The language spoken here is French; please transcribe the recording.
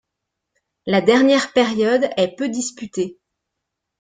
La dernière période est peu disputée.